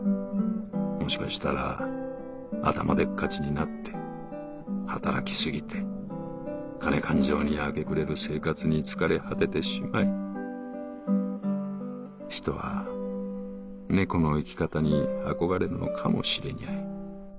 もしかしたら頭でっかちになって働き過ぎて金勘定に明け暮れる生活に疲れ果ててしまい人は寝子の生き方に憧れるのかもしれにゃい。